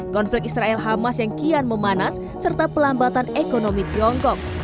konflik israel hamas yang kian memanas serta pelambatan ekonomi tiongkok